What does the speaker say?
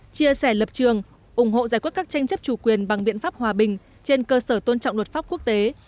chia sẻ lập trường ủng hộ giải quyết các tranh chấp chủ quyền bằng biện pháp hòa bình trên cơ sở tôn trọng luật pháp quốc tế